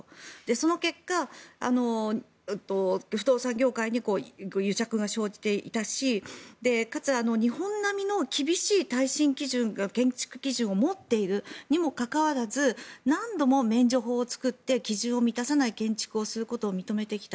その結果、不動産業界に癒着が生じていたしかつ日本並みの厳しい耐震基準建築基準を持っているにもかかわらず何度も免除法を作って基準を満たさない建築をすることを認めてきた。